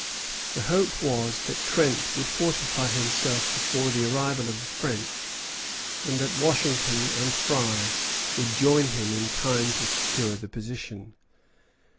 The hope was that Trent would fortify himself before the arrival of the French, and that Washington and Fry would join him in time to secure the position.